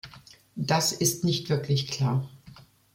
Das ist nicht wirklich klar.